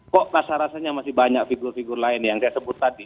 kok rasa rasanya masih banyak figur figur lain yang saya sebut tadi